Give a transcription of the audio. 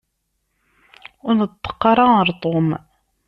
Ur neṭṭeq ara ɣer Tom.